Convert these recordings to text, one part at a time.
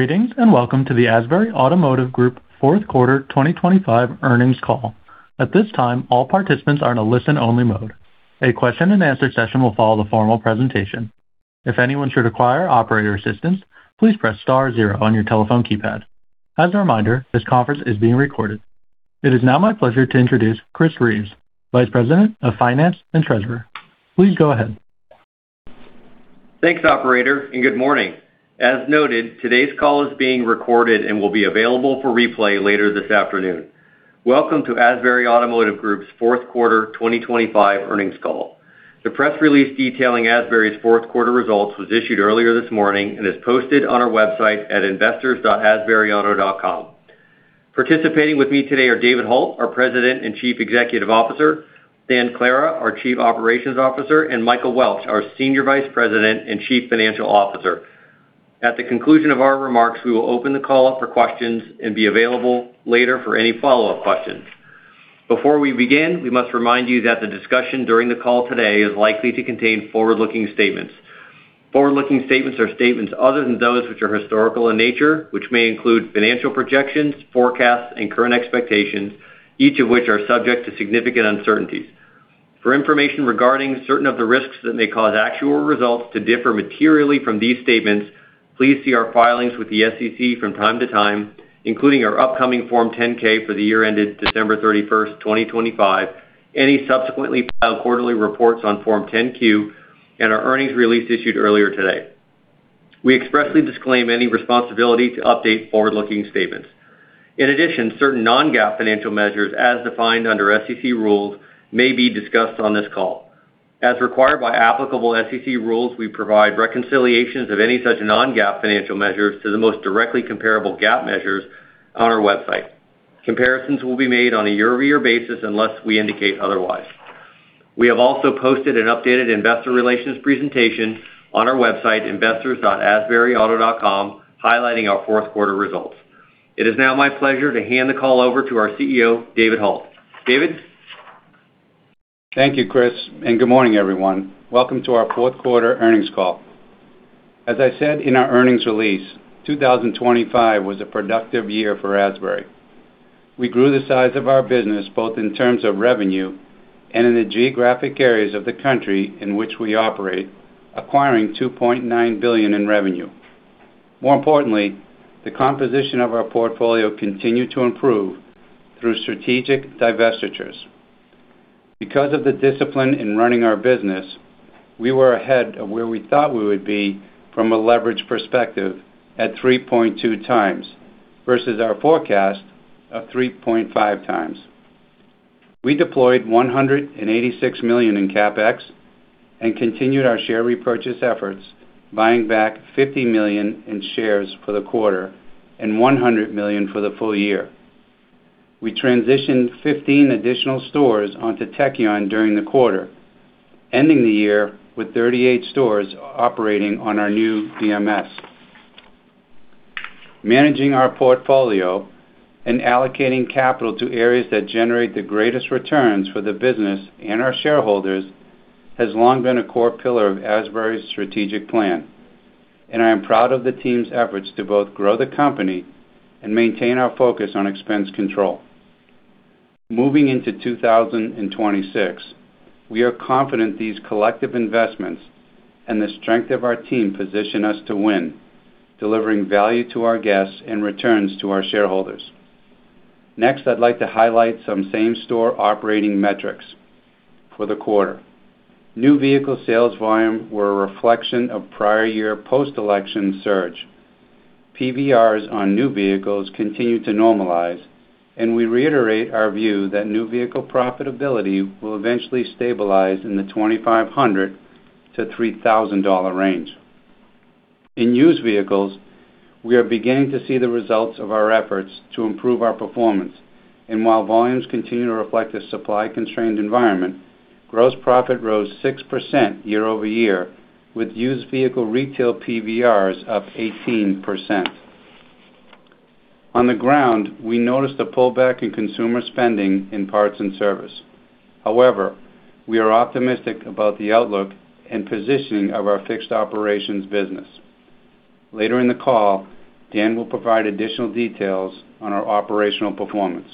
Greetings and welcome to the Asbury Automotive Group fourth quarter 2025 earnings call. At this time, all participants are in a listen-only mode. A question-and-answer session will follow the formal presentation. If anyone should require operator assistance, please press star zero on your telephone keypad. As a reminder, this conference is being recorded. It is now my pleasure to introduce Chris Reeves, Vice President of Finance and Treasurer. Please go ahead. Thanks, Operator, and good morning. As noted, today's call is being recorded and will be available for replay later this afternoon. Welcome to Asbury Automotive Group's fourth quarter 2025 earnings call. The press release detailing Asbury's fourth quarter results was issued earlier this morning and is posted on our website at investors.asburyauto.com. Participating with me today are David Hult, our President and Chief Executive Officer, Dan Clara, our Chief Operations Officer, and Michael Welch, our Senior Vice President and Chief Financial Officer. At the conclusion of our remarks, we will open the call up for questions and be available later for any follow-up questions. Before we begin, we must remind you that the discussion during the call today is likely to contain forward-looking statements. Forward-looking statements are statements other than those which are historical in nature, which may include financial projections, forecasts, and current expectations, each of which are subject to significant uncertainties. For information regarding certain of the risks that may cause actual results to differ materially from these statements, please see our filings with the SEC from time to time, including our upcoming Form 10-K for the year ended December 31st, 2025, any subsequently filed quarterly reports on Form 10-Q, and our earnings release issued earlier today. We expressly disclaim any responsibility to update forward-looking statements. In addition, certain non-GAAP financial measures, as defined under SEC rules, may be discussed on this call. As required by applicable SEC rules, we provide reconciliations of any such non-GAAP financial measures to the most directly comparable GAAP measures on our website. Comparisons will be made on a year-over-year basis unless we indicate otherwise. We have also posted an updated investor relations presentation on our website, investors.asburyauto.com, highlighting our fourth quarter results. It is now my pleasure to hand the call over to our CEO, David Hult. David? Thank you, Chris, and good morning, everyone. Welcome to our fourth quarter earnings call. As I said in our earnings release, 2025 was a productive year for Asbury. We grew the size of our business both in terms of revenue and in the geographic areas of the country in which we operate, acquiring $2.9 billion in revenue. More importantly, the composition of our portfolio continued to improve through strategic divestitures. Because of the discipline in running our business, we were ahead of where we thought we would be from a leverage perspective at 3.2x versus our forecast of 3.5x. We deployed $186 million in CapEx and continued our share repurchase efforts, buying back $50 million in shares for the quarter and $100 million for the full year. We transitioned 15 additional stores onto Tekion during the quarter, ending the year with 38 stores operating on our new DMS. Managing our portfolio and allocating capital to areas that generate the greatest returns for the business and our shareholders has long been a core pillar of Asbury's strategic plan, and I am proud of the team's efforts to both grow the company and maintain our focus on expense control. Moving into 2026, we are confident these collective investments and the strength of our team position us to win, delivering value to our guests and returns to our shareholders. Next, I'd like to highlight some same-store operating metrics for the quarter. New vehicle sales volume were a reflection of prior-year post-election surge. PVRs on new vehicles continued to normalize, and we reiterate our view that new vehicle profitability will eventually stabilize in the $2,500-$3,000 range. In used vehicles, we are beginning to see the results of our efforts to improve our performance, and while volumes continue to reflect a supply-constrained environment, gross profit rose 6% year-over-year, with used vehicle retail PVRs up 18%. On the ground, we noticed a pullback in consumer spending in parts and service. However, we are optimistic about the outlook and positioning of our fixed operations business. Later in the call, Dan will provide additional details on our operational performance.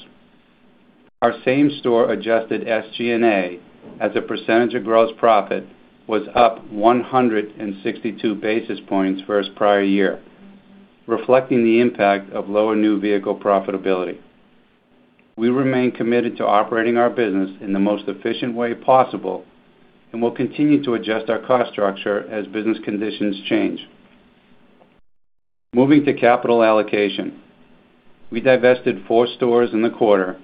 Our same-store Adjusted SG&A, as a percentage of gross profit, was up 162 basis points versus prior year, reflecting the impact of lower new vehicle profitability. We remain committed to operating our business in the most efficient way possible and will continue to adjust our cost structure as business conditions change. Moving to capital allocation, we divested four stores in the quarter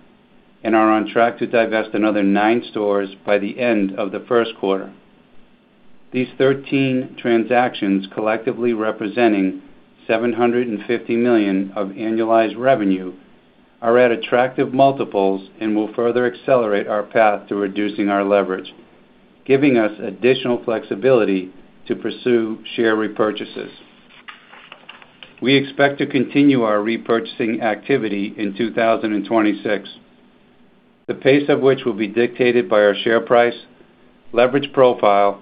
and are on track to divest another nine stores by the end of the first quarter. These 13 transactions, collectively representing $750 million of annualized revenue, are at attractive multiples and will further accelerate our path to reducing our leverage, giving us additional flexibility to pursue share repurchases. We expect to continue our repurchasing activity in 2026, the pace of which will be dictated by our share price, leverage profile,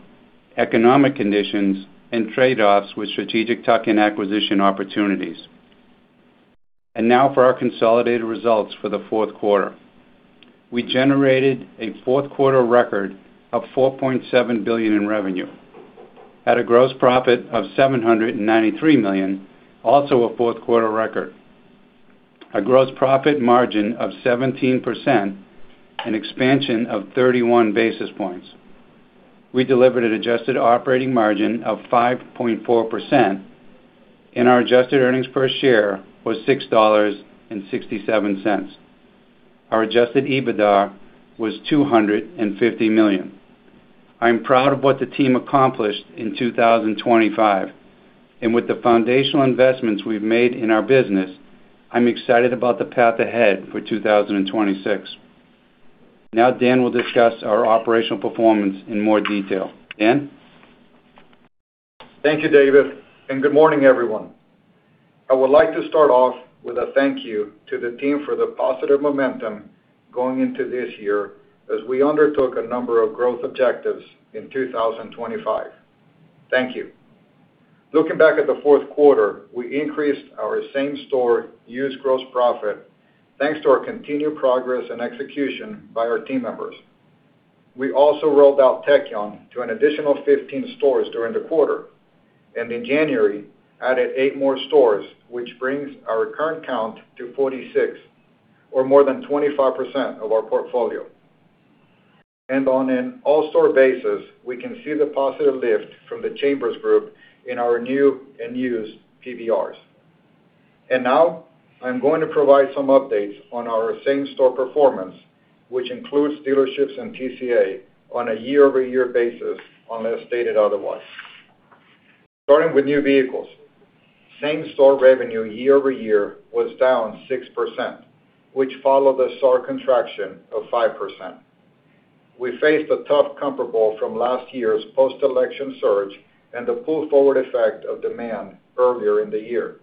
economic conditions, and trade-offs with strategic tuck-in acquisition opportunities. Now for our consolidated results for the fourth quarter. We generated a fourth-quarter record of $4.7 billion in revenue, had a gross profit of $793 million, also a fourth-quarter record, a gross profit margin of 17%, and expansion of 31 basis points. We delivered an adjusted operating margin of 5.4%, and our adjusted earnings per share was $6.67. Our Adjusted EBITDA was $250 million. I am proud of what the team accomplished in 2025, and with the foundational investments we've made in our business, I'm excited about the path ahead for 2026. Now Dan will discuss our operational performance in more detail. Dan? Thank you, David, and good morning, everyone. I would like to start off with a thank you to the team for the positive momentum going into this year as we undertook a number of growth objectives in 2025. Thank you. Looking back at the fourth quarter, we increased our same-store used gross profit thanks to our continued progress and execution by our team members. We also rolled out Tekion to an additional 15 stores during the quarter and, in January, added 8 more stores, which brings our current count to 46, or more than 25% of our portfolio. And on an all-store basis, we can see the positive lift from the Chambers Group in our new and used PVRs. And now I'm going to provide some updates on our same-store performance, which includes dealerships and TCA on a year-over-year basis unless stated otherwise. Starting with new vehicles, same-store revenue year over year was down 6%, which followed a SAR contraction of 5%. We faced a tough comparable from last year's post-election surge and the pull-forward effect of demand earlier in the year.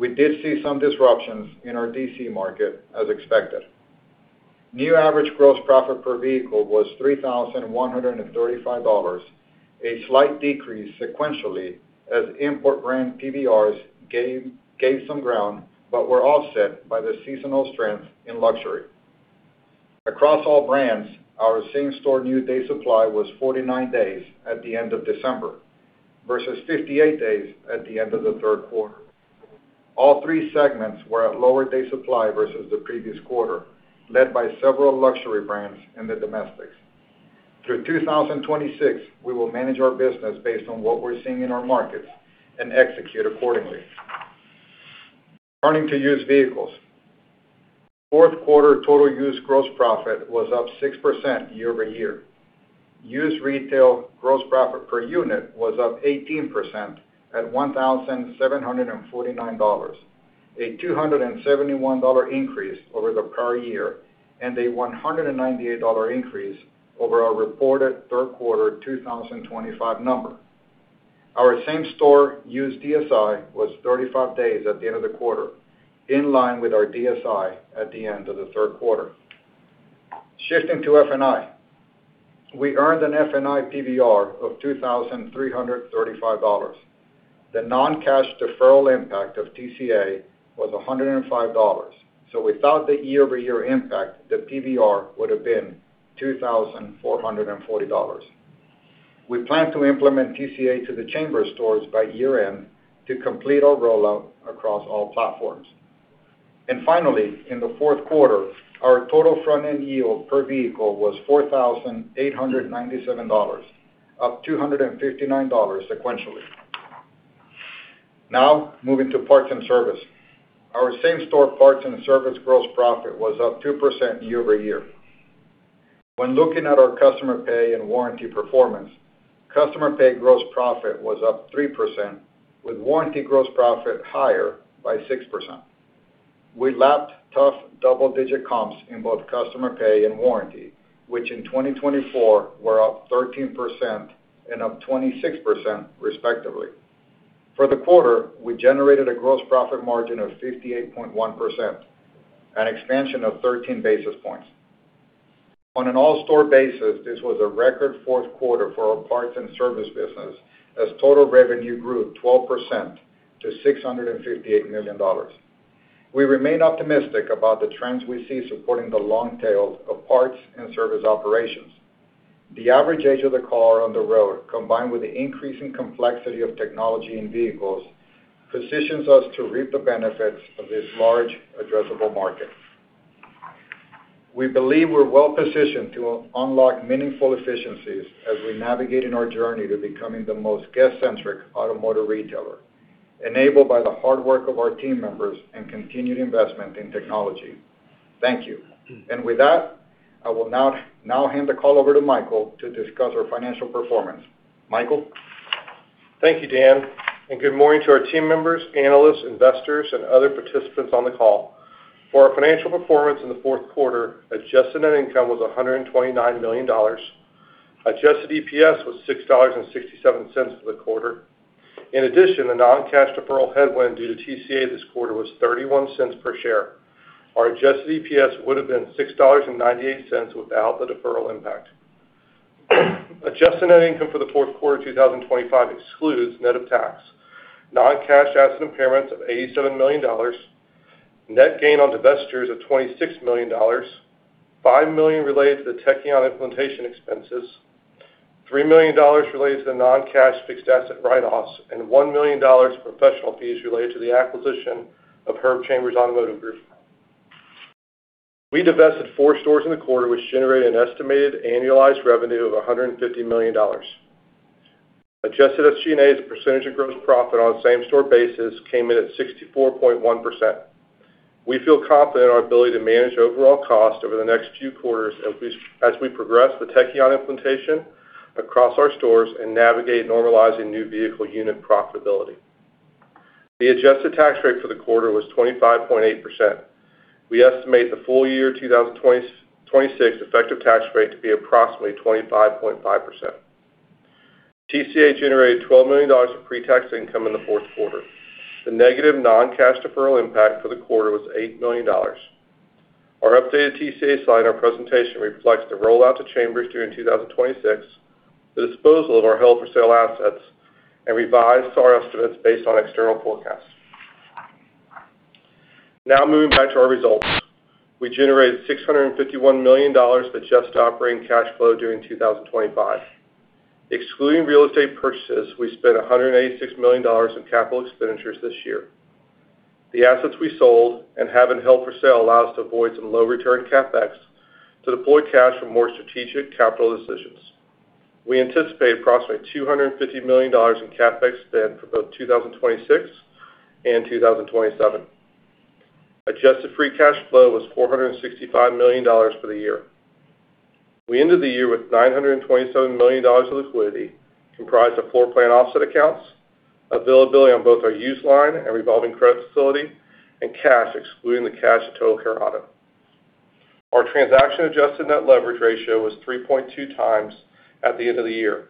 We did see some disruptions in our D.C. market, as expected. New average gross profit per vehicle was $3,135, a slight decrease sequentially as import brand PVRs gave some ground but were offset by the seasonal strength in luxury. Across all brands, our same-store new day supply was 49 days at the end of December versus 58 days at the end of the third quarter. All three segments were at lower day supply versus the previous quarter, led by several luxury brands in the domestics. Through 2026, we will manage our business based on what we're seeing in our markets and execute accordingly. Turning to used vehicles, fourth quarter total used gross profit was up 6% year over year. Used retail gross profit per unit was up 18% at $1,749, a $271 increase over the prior year and a $198 increase over our reported third-quarter 2025 number. Our same-store used DSI was 35 days at the end of the quarter, in line with our DSI at the end of the third quarter. Shifting to F&I, we earned an F&I PVR of $2,335. The non-cash deferral impact of TCA was $105, so without the year-over-year impact, the PVR would have been $2,440. We plan to implement TCA to the Chambers stores by year-end to complete our rollout across all platforms. Finally, in the fourth quarter, our total front-end yield per vehicle was $4,897, up $259 sequentially. Now moving to parts and service, our same-store parts and service gross profit was up 2% year-over-year. When looking at our customer pay and warranty performance, customer pay gross profit was up 3%, with warranty gross profit higher by 6%. We lapped tough double-digit comps in both customer pay and warranty, which in 2024 were up 13% and up 26%, respectively. For the quarter, we generated a gross profit margin of 58.1%, an expansion of 13 basis points. On an all-store basis, this was a record fourth quarter for our parts and service business as total revenue grew 12% to $658 million. We remain optimistic about the trends we see supporting the long tail of parts and service operations. The average age of the car on the road, combined with the increasing complexity of technology in vehicles, positions us to reap the benefits of this large addressable market. We believe we're well-positioned to unlock meaningful efficiencies as we navigate in our journey to becoming the most guest-centric automotive retailer, enabled by the hard work of our team members and continued investment in technology. Thank you. With that, I will now hand the call over to Michael to discuss our financial performance. Michael? Thank you, Dan. Good morning to our team members, analysts, investors, and other participants on the call. For our financial performance in the fourth quarter, Adjusted Net Income was $129 million. Adjusted EPS was $6.67 for the quarter. In addition, the non-cash deferral headwind due to TCA this quarter was $0.31 per share. Our Adjusted EPS would have been $6.98 without the deferral impact. Adjusted Net Income for the fourth quarter 2025 excludes net of tax: non-cash asset impairments of $87 million, net gain on divestitures of $26 million, $5 million related to the Tekion implementation expenses, $3 million related to the non-cash fixed asset write-offs, and $1 million professional fees related to the acquisition of Herb Chambers Automotive Group. We divested four stores in the quarter, which generated an estimated annualized revenue of $150 million. Adjusted SG&A's percentage of gross profit on a same-store basis came in at 64.1%. We feel confident in our ability to manage overall cost over the next few quarters as we progress the Tekion implementation across our stores and navigate normalizing new vehicle unit profitability. The adjusted tax rate for the quarter was 25.8%. We estimate the full year 2026 effective tax rate to be approximately 25.5%. TCA generated $12 million of pre-tax income in the fourth quarter. The negative non-cash deferral impact for the quarter was $8 million. Our updated TCA slide in our presentation reflects the rollout to Chambers during 2026, the disposal of our held-for-sale assets, and revised SAR estimates based on external forecasts. Now moving back to our results. We generated $651 million of adjusted operating cash flow during 2025. Excluding real estate purchases, we spent $186 million in capital expenditures this year. The assets we sold and haven't held for sale allow us to avoid some low-return Capex to deploy cash for more strategic capital decisions. We anticipate approximately $250 million in Capex spend for both 2026 and 2027. Adjusted Free Cash Flow was $465 million for the year. We ended the year with $927 million of liquidity comprised of Floor Plan offset accounts, availability on both our used line and revolving credit facility, and cash excluding the cash at Total Care Auto. Our transaction-adjusted Net Leverage Ratio was 3.2x at the end of the year.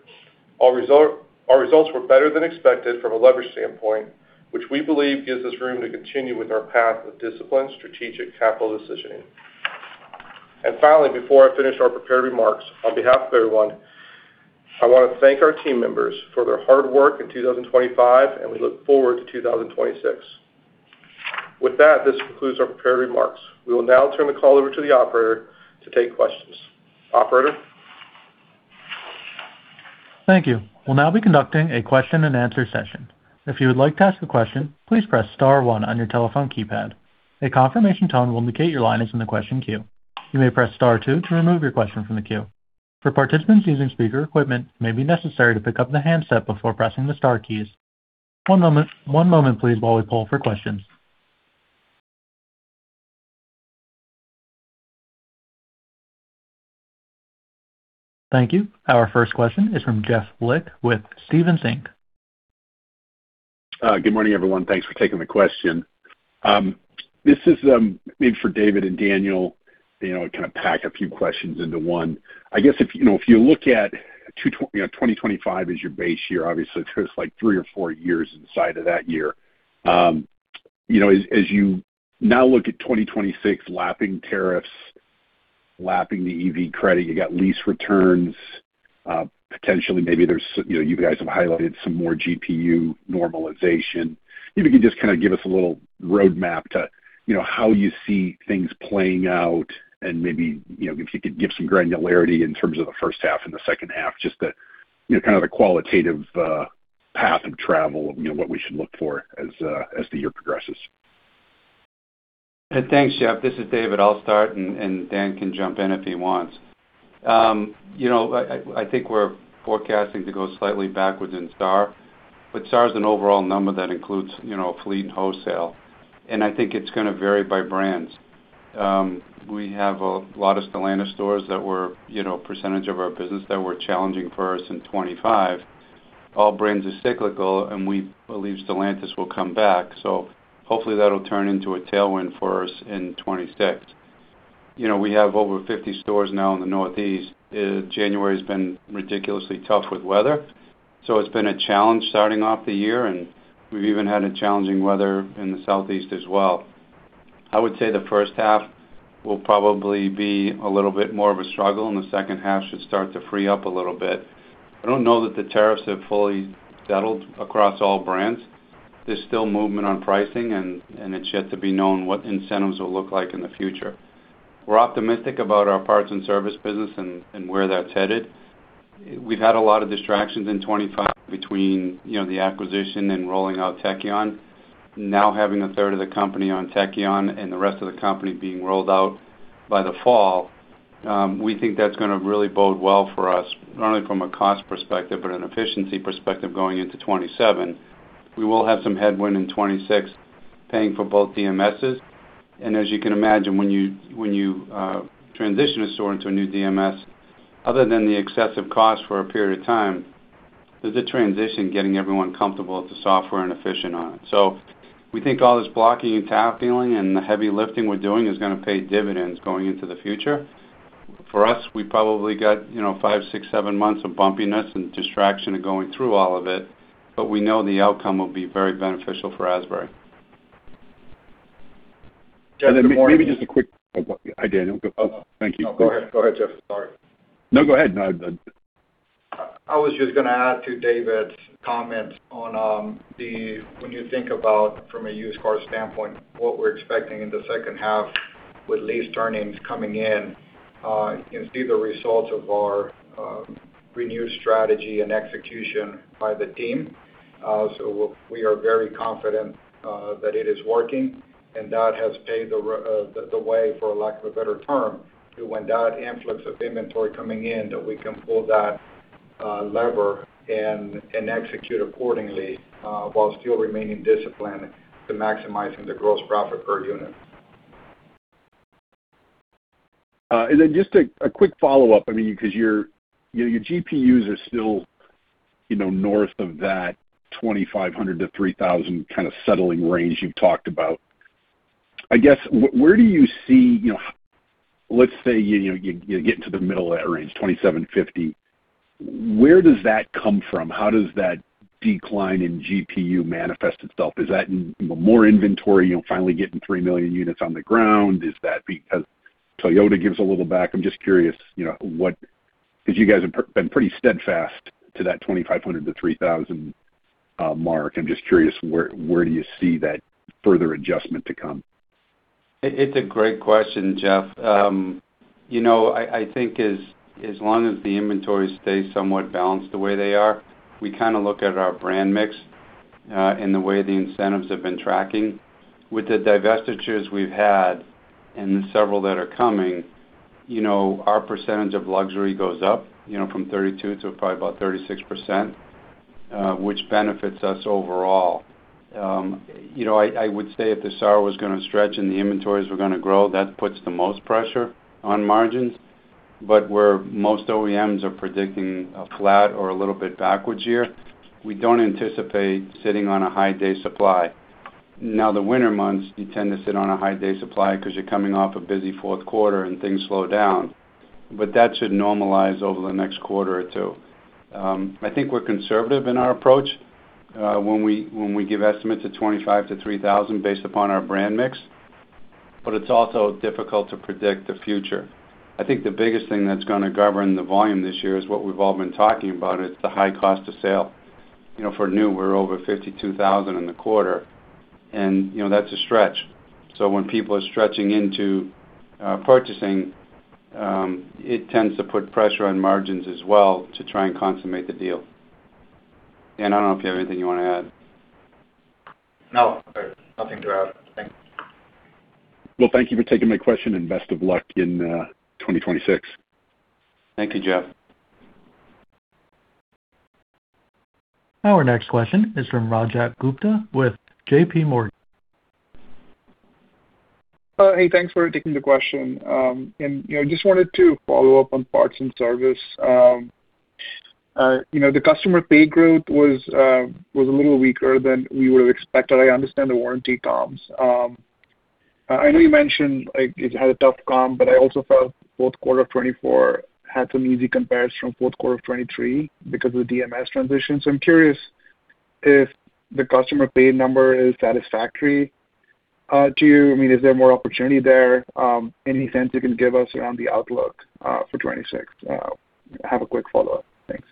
Our results were better than expected from a leverage standpoint, which we believe gives us room to continue with our path of disciplined strategic capital decisioning. Finally, before I finish our prepared remarks, on behalf of everyone, I want to thank our team members for their hard work in 2025, and we look forward to 2026. With that, this concludes our prepared remarks. We will now turn the call over to the operator to take questions. Operator? Thank you. We'll now be conducting a question-and-answer session. If you would like to ask a question, please press star 1 on your telephone keypad. A confirmation tone will indicate your line is in the question queue. You may press star 2 to remove your question from the queue. For participants using speaker equipment, it may be necessary to pick up the handset before pressing the star keys. One moment, please, while we pull for questions. Thank you. Our first question is from Jeff Lick with Stephens Inc. Good morning, everyone. Thanks for taking the question. This is maybe for David and Daniel, kind of pack a few questions into one. I guess if you look at 2025 as your base year, obviously, there's 3 or 4 years inside of that year. As you now look at 2026, lapping tariffs, lapping the EV credit, you've got lease returns, potentially maybe you guys have highlighted some more GPU normalization. If you could just kind of give us a little roadmap to how you see things playing out and maybe if you could give some granularity in terms of the first half and the second half, just kind of the qualitative path of travel of what we should look for as the year progresses. Thanks, Jeff. This is David. I'll start, and Dan can jump in if he wants. I think we're forecasting to go slightly backwards in SAR, but SAR is an overall number that includes fleet and wholesale, and I think it's going to vary by brands. We have a lot of Stellantis stores that were a percentage of our business that were challenging for us in 2025. All brands are cyclical, and we believe Stellantis will come back, so hopefully, that'll turn into a tailwind for us in 2026. We have over 50 stores now in the Northeast. January has been ridiculously tough with weather, so it's been a challenge starting off the year, and we've even had a challenging weather in the Southeast as well. I would say the first half will probably be a little bit more of a struggle, and the second half should start to free up a little bit. I don't know that the tariffs have fully settled across all brands. There's still movement on pricing, and it's yet to be known what incentives will look like in the future. We're optimistic about our parts and service business and where that's headed. We've had a lot of distractions in 2025 between the acquisition and rolling out Tekion. Now having a third of the company on Tekion and the rest of the company being rolled out by the fall, we think that's going to really bode well for us, not only from a cost perspective but an efficiency perspective going into 2027. We will have some headwind in 2026 paying for both DMSs. As you can imagine, when you transition a store into a new DMS, other than the excessive cost for a period of time, there's a transition getting everyone comfortable with the software and efficient on it. We think all this blocking and tackling and the heavy lifting we're doing is going to pay dividends going into the future. For us, we probably got 5, 6, 7 months of bumpiness and distraction of going through all of it, but we know the outcome will be very beneficial for Asbury. Jeff, maybe just a quick hi, Daniel. Thank you. No, go ahead. Go ahead, Jeff. Sorry. No, go ahead. I was just going to add to David's comments on when you think about, from a used car standpoint, what we're expecting in the second half with lease turnings coming in, you can see the results of our renewed strategy and execution by the team. So we are very confident that it is working, and that has paved the way, for lack of a better term, to when that influx of inventory coming in, that we can pull that lever and execute accordingly while still remaining disciplined to maximizing the gross profit per unit. And then just a quick follow-up, I mean, because your GPUs are still north of that 2,500-3,000 kind of settling range you've talked about. I guess where do you see let's say you get into the middle of that range, 2,750. Where does that come from? How does that decline in GPU manifest itself? Is that more inventory, finally getting 3 million units on the ground? Is that because Toyota gives a little back? I'm just curious because you guys have been pretty steadfast to that 2,500-3,000 mark. I'm just curious, where do you see that further adjustment to come? It's a great question, Jeff. I think as long as the inventory stays somewhat balanced the way they are, we kind of look at our brand mix and the way the incentives have been tracking. With the divestitures we've had and the several that are coming, our percentage of luxury goes up from 32% to probably about 36%, which benefits us overall. I would say if the SAR was going to stretch and the inventories were going to grow, that puts the most pressure on margins. But where most OEMs are predicting a flat or a little bit backwards year, we don't anticipate sitting on a high-day supply. Now, the winter months, you tend to sit on a high-day supply because you're coming off a busy fourth quarter and things slow down, but that should normalize over the next quarter or two. I think we're conservative in our approach when we give estimates at 2,500-3,000 based upon our brand mix, but it's also difficult to predict the future. I think the biggest thing that's going to govern the volume this year is what we've all been talking about. It's the high cost of sale. For new, we're over $52,000 in the quarter, and that's a stretch. So when people are stretching into purchasing, it tends to put pressure on margins as well to try and consummate the deal. Dan, I don't know if you have anything you want to add? No. Nothing to add. Thanks. Well, thank you for taking my question, and best of luck in 2026. Thank you, Jeff. Our next question is from Rajat Gupta with JPMorgan. Hey. Thanks for taking the question. I just wanted to follow up on parts and service. The customer pay growth was a little weaker than we would have expected. I understand the warranty comps. I know you mentioned it had a tough comp, but I also felt fourth quarter of 2024 had some easy compares from fourth quarter of 2023 because of the DMS transition. So I'm curious if the customer pay number is satisfactory to you. I mean, is there more opportunity there? Any sense you can give us around the outlook for 2026? Have a quick follow-up. Thanks.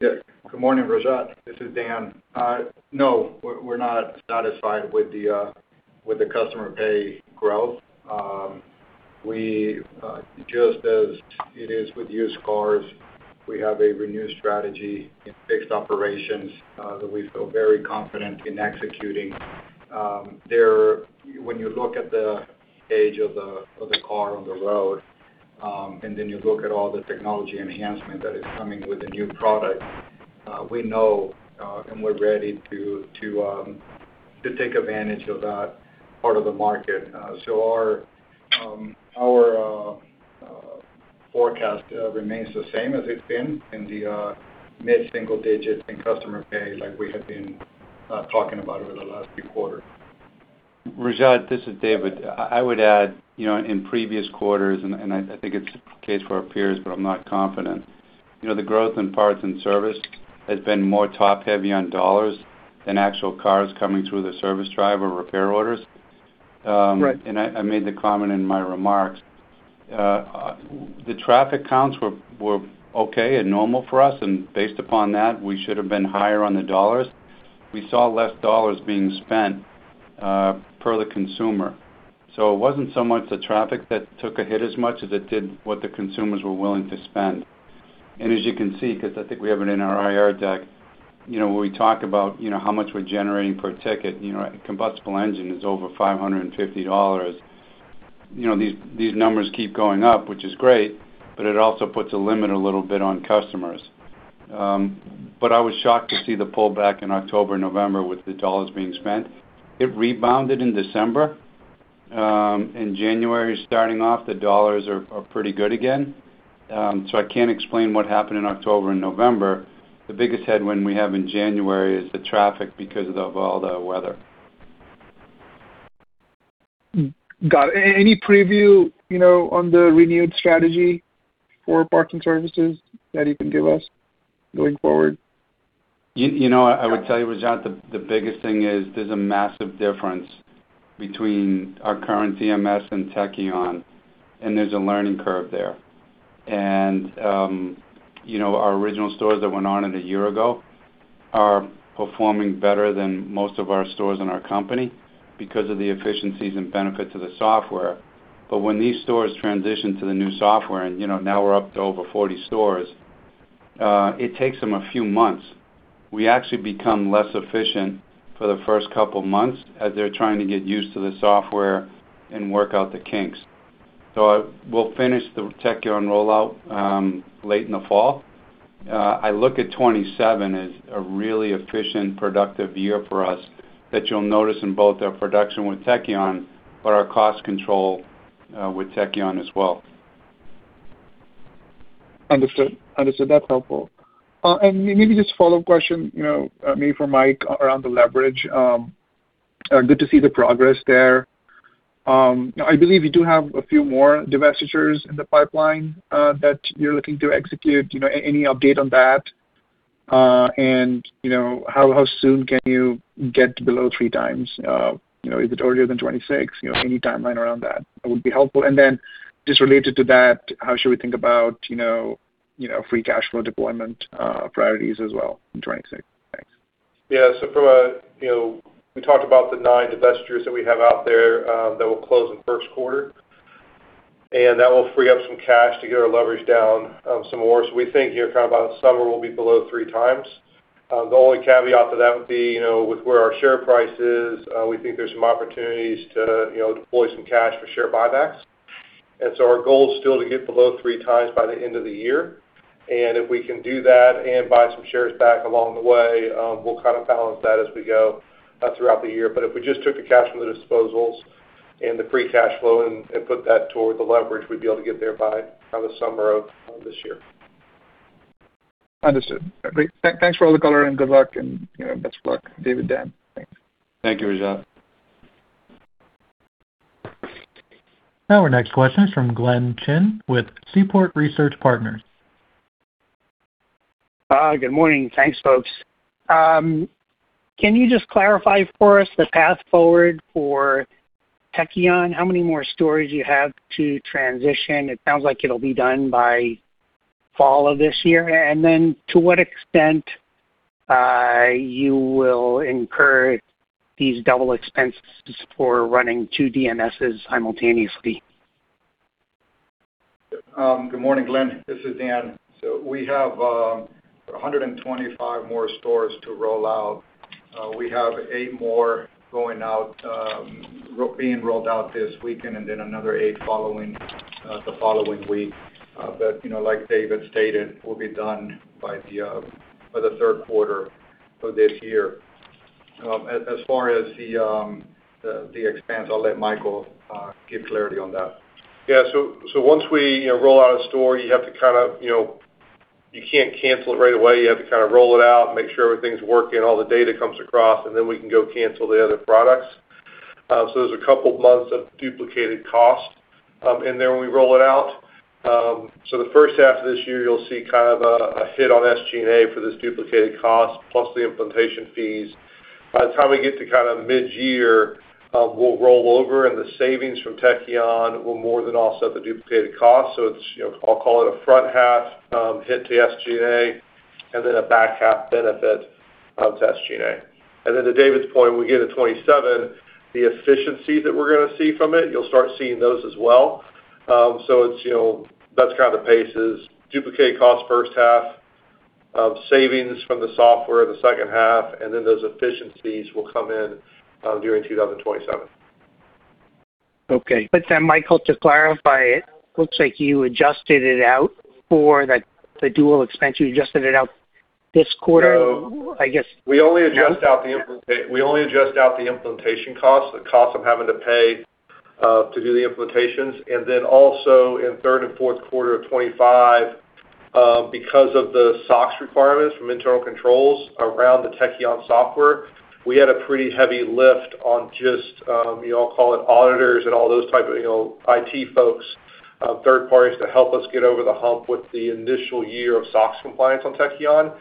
Yeah. Good morning, Rajat. This is Dan. No, we're not satisfied with the customer pay growth. Just as it is with used cars, we have a renewed strategy in fixed operations that we feel very confident in executing. When you look at the age of the car on the road and then you look at all the technology enhancement that is coming with the new product, we know and we're ready to take advantage of that part of the market. So our forecast remains the same as it's been in the mid-single-digit in customer pay like we have been talking about over the last few quarters. Rajat, this is David. I would add, in previous quarters—and I think it's the case for our peers, but I'm not confident—the growth in parts and service has been more top-heavy on dollars than actual cars coming through the service drive or repair orders. I made the comment in my remarks. The traffic counts were okay and normal for us, and based upon that, we should have been higher on the dollars. We saw less dollars being spent per the consumer. So it wasn't so much the traffic that took a hit as much as it did what the consumers were willing to spend. As you can see because I think we have it in our IR deck, when we talk about how much we're generating per ticket, combustion engine is over $550. These numbers keep going up, which is great, but it also puts a limit a little bit on customers. I was shocked to see the pullback in October and November with the dollars being spent. It rebounded in December. In January, starting off, the dollars are pretty good again. I can't explain what happened in October and November. The biggest headwind we have in January is the traffic because of all the weather. Got it. Any preview on the renewed strategy for parts and services that you can give us going forward? I would tell you, Rajat, the biggest thing is there's a massive difference between our current DMS and Tekion, and there's a learning curve there. And our original stores that went on it a year ago are performing better than most of our stores in our company because of the efficiencies and benefits of the software. But when these stores transition to the new software - and now we're up to over 40 stores - it takes them a few months. We actually become less efficient for the first couple of months as they're trying to get used to the software and work out the kinks. So we'll finish the Tekion rollout late in the fall. I look at 2027 as a really efficient, productive year for us that you'll notice in both our production with Tekion but our cost control with Tekion as well. Understood. Understood. That's helpful. Maybe just follow-up question, maybe for Mike, around the leverage. Good to see the progress there. I believe you do have a few more divestitures in the pipeline that you're looking to execute. Any update on that? How soon can you get below three times? Is it earlier than 2026? Any timeline around that would be helpful. Then just related to that, how should we think about free cash flow deployment priorities as well in 2026? Thanks. Yeah. So we talked about the nine divestitures that we have out there that will close in first quarter, and that will free up some cash to get our leverage down some more. So we think here kind of by the summer, we'll be below three times. The only caveat to that would be with where our share price is, we think there's some opportunities to deploy some cash for share buybacks. And so our goal is still to get below three times by the end of the year. And if we can do that and buy some shares back along the way, we'll kind of balance that as we go throughout the year. But if we just took the cash from the disposals and the free cash flow and put that toward the leverage, we'd be able to get there by kind of the summer of this year. Understood. Great. Thanks for all the color, and good luck. And best of luck, David, Dan. Thanks. Thank you, Rajat. Our next question is from Glenn Chin with Seaport Research Partners. Good morning. Thanks, folks. Can you just clarify for us the path forward for Tekion? How many more stores do you have to transition? It sounds like it'll be done by fall of this year. And then to what extent you will encourage these double expenses for running two DMSs simultaneously? Good morning, Glenn. This is Dan. So we have 125 more stores to roll out. We have 8 more being rolled out this weekend and then another 8 the following week. But like David stated, it will be done by the third quarter of this year. As far as the expense, I'll let Michael give clarity on that. Yeah. So once we roll out a store, you have to kind of you can't cancel it right away. You have to kind of roll it out, make sure everything's working, all the data comes across, and then we can go cancel the other products. So there's a couple of months of duplicated cost in there when we roll it out. So the first half of this year, you'll see kind of a hit on SG&A for this duplicated cost plus the implementation fees. By the time we get to kind of mid-year, we'll roll over, and the savings from Tekion will more than offset the duplicated cost. So I'll call it a front-half hit to SG&A and then a back-half benefit to SG&A. And then to David's point, when we get to 2027, the efficiencies that we're going to see from it, you'll start seeing those as well. So that's kind of the pace: duplicated cost first half, savings from the software the second half, and then those efficiencies will come in during 2027. Okay. But then, Michael, to clarify it, it looks like you adjusted it out for the dual expense. You adjusted it out this quarter, I guess? No. We only adjust out the implementation costs, the costs I'm having to pay to do the implementations. And then also in third and fourth quarter of 2025, because of the SOX requirements from internal controls around the Tekion software, we had a pretty heavy lift on just I'll call it auditors and all those type of IT folks, third parties, to help us get over the hump with the initial year of SOX compliance on Tekion.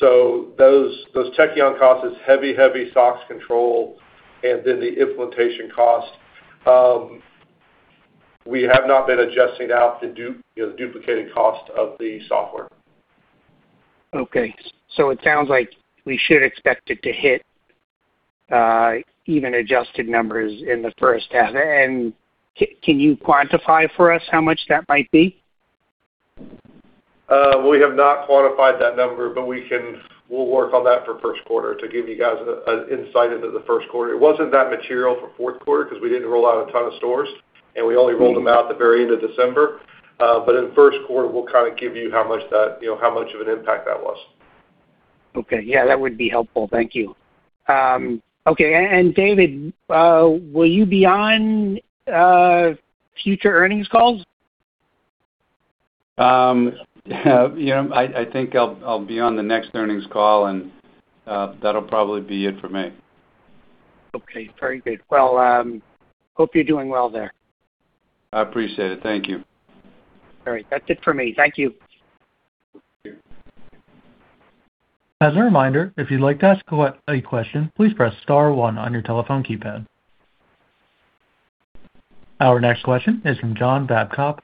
So those Tekion costs is heavy, heavy SOX control and then the implementation cost. We have not been adjusting out the duplicated cost of the software. Okay. It sounds like we should expect it to hit even adjusted numbers in the first half. Can you quantify for us how much that might be? Well, we have not quantified that number, but we'll work on that for first quarter to give you guys an insight into the first quarter. It wasn't that material for fourth quarter because we didn't roll out a ton of stores, and we only rolled them out at the very end of December. But in first quarter, we'll kind of give you how much of an impact that was. Okay. Yeah. That would be helpful. Thank you. Okay. And David, will you be on future earnings calls? I think I'll be on the next earnings call, and that'll probably be it for me. Okay. Very good. Well, hope you're doing well there. I appreciate it. Thank you. All right. That's it for me. Thank you. Thank you. As a reminder, if you'd like to ask a question, please press star one on your telephone keypad. Our next question is from John Babcock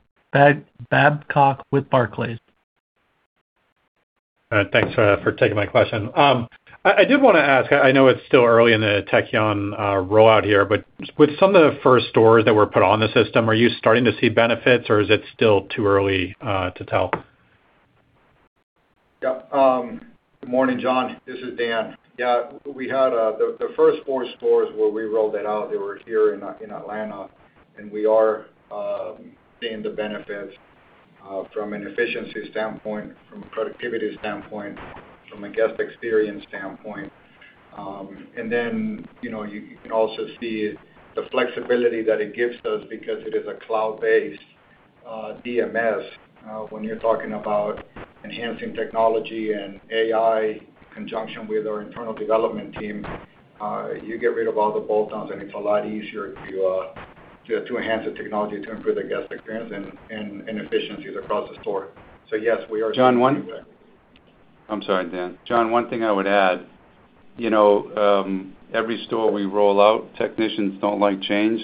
with Barclays. Thanks for taking my question. I did want to ask, I know it's still early in the Tekion rollout here, but with some of the first stores that were put on the system, are you starting to see benefits, or is it still too early to tell? Yeah. Good morning, John. This is Dan. Yeah. The first four stores where we rolled it out, they were here in Atlanta, and we are seeing the benefits from an efficiency standpoint, from a productivity standpoint, from a guest experience standpoint. And then you can also see the flexibility that it gives us because it is a cloud-based DMS. When you're talking about enhancing technology and AI in conjunction with our internal development team, you get rid of all the bolt-ons, and it's a lot easier to enhance the technology to improve the guest experience and efficiencies across the store. So yes, we are seeing the effects. John, one thing I would add. Every store we roll out, technicians don't like change.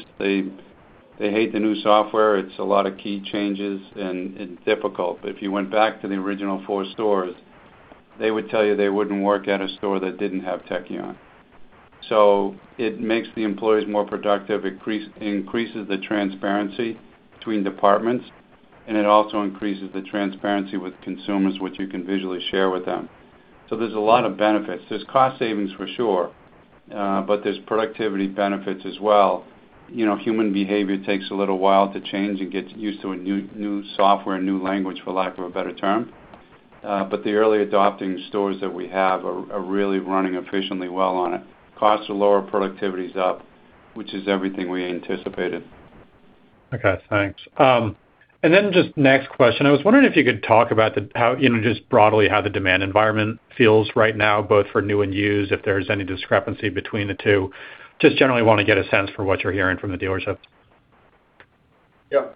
They hate the new software. It's a lot of key changes and difficult. But if you went back to the original four stores, they would tell you they wouldn't work at a store that didn't have Tekion. So it makes the employees more productive, increases the transparency between departments, and it also increases the transparency with consumers, which you can visually share with them. So there's a lot of benefits. There's cost savings for sure, but there's productivity benefits as well. Human behavior takes a little while to change and get used to a new software, new language, for lack of a better term. But the early adopting stores that we have are really running efficiently well on it. Costs are lower. Productivity's up, which is everything we anticipated. Okay. Thanks. And then just next question. I was wondering if you could talk about just broadly how the demand environment feels right now, both for new and used, if there's any discrepancy between the two. Just generally want to get a sense for what you're hearing from the dealerships. Yeah.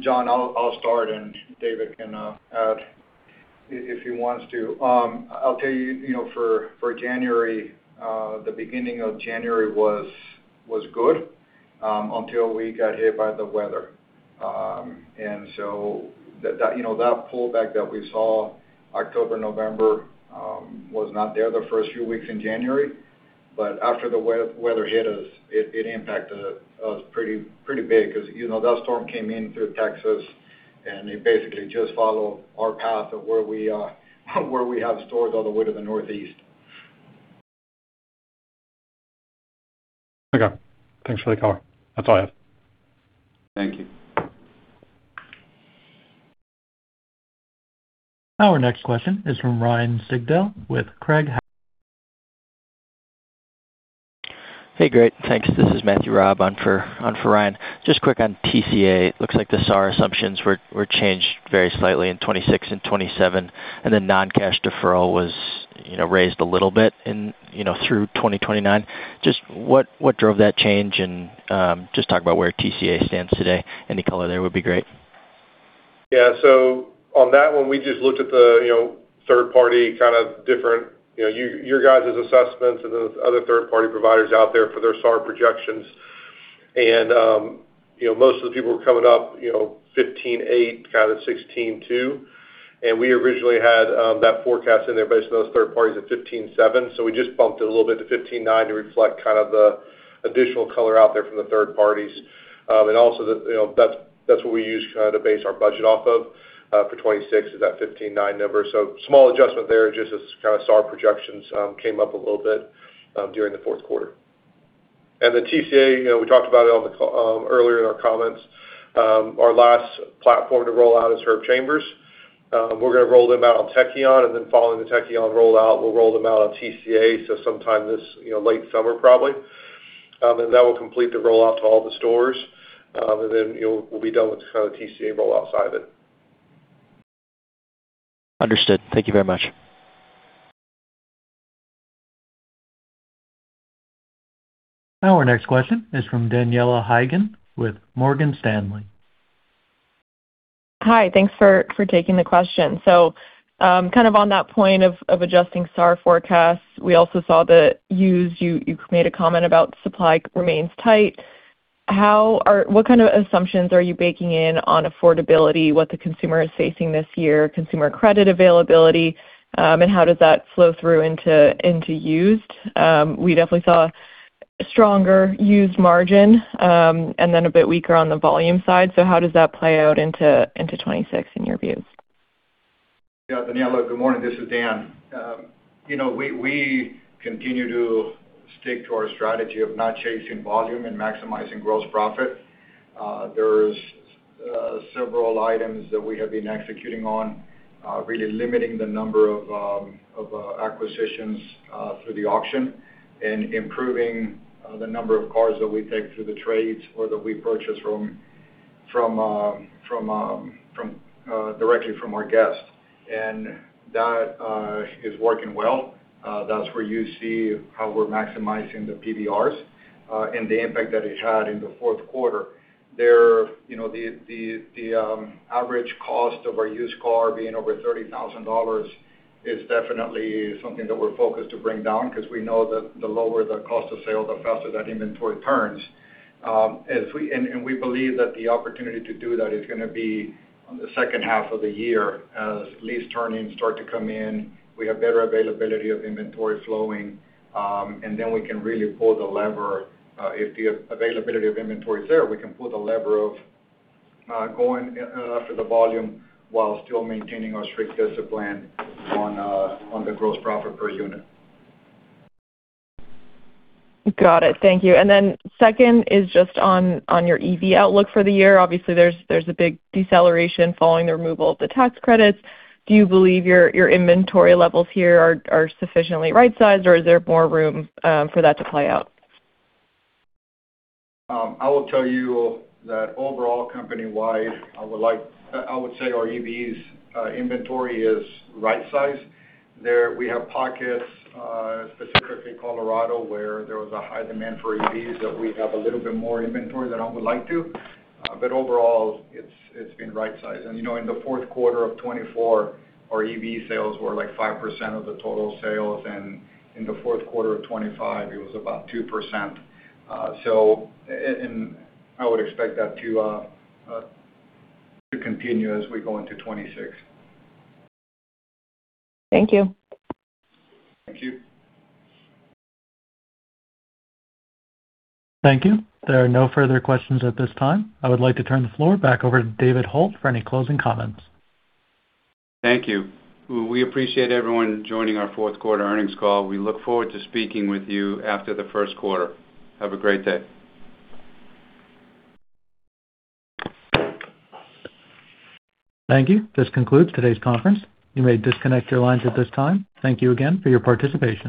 John, I'll start, and David can add if he wants to. I'll tell you, for January, the beginning of January was good until we got hit by the weather. And so that pullback that we saw, October, November, was not there the first few weeks in January. But after the weather hit us, it impacted us pretty big because that storm came in through Texas, and it basically just followed our path of where we have stores all the way to the Northeast. Okay. Thanks for the call. That's all I have. Thank you. Our next question is from Ryan Sigdahl with Craig-Hallum. Hey. Great. Thanks. This is Matthew Raab on for Ryan. Just quick on TCA. It looks like the SAR assumptions were changed very slightly in 2026 and 2027, and then non-cash deferral was raised a little bit through 2029. Just what drove that change, and just talk about where TCA stands today. Any color there would be great. Yeah. So on that one, we just looked at the third-party kind of different your guys' assessments and then other third-party providers out there for their SAR projections. And most of the people were coming up 15.8, kind of 16.2. And we originally had that forecast in there based on those third parties at 15.7. So we just bumped it a little bit to 15.9 to reflect kind of the additional color out there from the third parties. And also, that's what we use kind of to base our budget off of for 2026 is that 15.9 number. So small adjustment there, just as kind of SAR projections came up a little bit during the fourth quarter. And the TCA, we talked about it earlier in our comments. Our last platform to roll out is Herb Chambers. We're going to roll them out on Tekion. And then following the Tekion rollout, we'll roll them out on TCA so sometime this late summer, probably. And that will complete the rollout to all the stores. And then we'll be done with kind of the TCA rollout side of it. Understood. Thank you very much. Our next question is from Daniela Haigian with Morgan Stanley. Hi. Thanks for taking the question. So kind of on that point of adjusting SAR forecasts, we also saw the U.S. You made a comment about supply remains tight. What kind of assumptions are you baking in on affordability, what the consumer is facing this year, consumer credit availability, and how does that flow through into used? We definitely saw a stronger used margin and then a bit weaker on the volume side. So how does that play out into 2026 in your views? Yeah. Daniela, good morning. This is Dan. We continue to stick to our strategy of not chasing volume and maximizing gross profit. There's several items that we have been executing on, really limiting the number of acquisitions through the auction and improving the number of cars that we take through the trades or that we purchase directly from our guest. That is working well. That's where you see how we're maximizing the PVRs and the impact that it had in the fourth quarter. The average cost of our used car being over $30,000 is definitely something that we're focused to bring down because we know that the lower the cost of sale, the faster that inventory turns. We believe that the opportunity to do that is going to be on the second half of the year as lease turnings start to come in. We have better availability of inventory flowing, and then we can really pull the lever. If the availability of inventory is there, we can pull the lever of going after the volume while still maintaining our strict discipline on the gross profit per unit. Got it. Thank you. Second is just on your EV outlook for the year. Obviously, there's a big deceleration following the removal of the tax credits. Do you believe your inventory levels here are sufficiently right-sized, or is there more room for that to play out? I will tell you that overall, company-wide, I would say our EVs inventory is right-sized. We have pockets, specifically Colorado, where there was a high demand for EVs that we have a little bit more inventory than I would like to. But overall, it's been right-sized. And in the fourth quarter of 2024, our EV sales were like 5% of the total sales, and in the fourth quarter of 2025, it was about 2%. And I would expect that to continue as we go into 2026. Thank you. Thank you. Thank you. There are no further questions at this time. I would like to turn the floor back over to David Hult for any closing comments. Thank you. We appreciate everyone joining our fourth quarter earnings call. We look forward to speaking with you after the first quarter. Have a great day. Thank you. This concludes today's conference. You may disconnect your lines at this time. Thank you again for your participation.